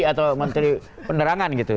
atau menteri penerangan gitu